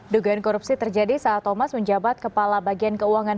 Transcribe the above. dugaan korupsi terjadi saat thomas menjabat kepala bagian keuangan